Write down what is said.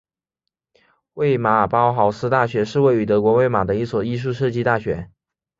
魏玛包豪斯大学是位于德国魏玛的一所艺术设计大学。